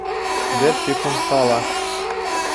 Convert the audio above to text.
Бер секундҡа ла!